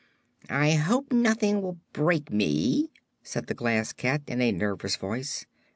"I hope nothing will break me," said the Glass Cat, in a nervous voice.